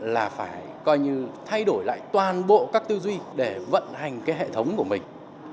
là phải coi như thay đổi lại toàn bộ các tư duy để vận hành cái hệ thống của mình